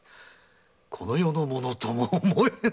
この世のものとも思えんのう！